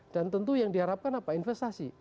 dan tentu yang diharapkan apa investasi